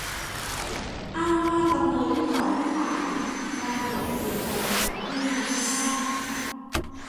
อ้างว่าจำเลยที่สอง ที่สาม ได้จดทะเบียนโอนขายที่นาพิพาท